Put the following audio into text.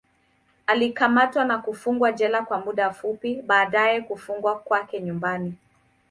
Alikamatwa na kufungwa jela kwa muda fupi, baadaye kufungwa kwake nyumbani.